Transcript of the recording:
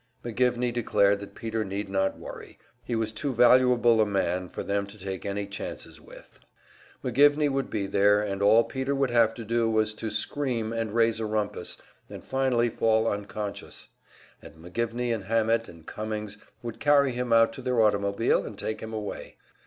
McGivney declared that Peter need not worry he was too valuable a man for them to take any chances with. McGivney would be there, and all Peter would have to do was to scream and raise a rumpus, and finally fall unconscious, and McGivney and Hammett and Cummings would carry him out to their automobile and take him away!